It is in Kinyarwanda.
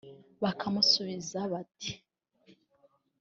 bakamusubiza bati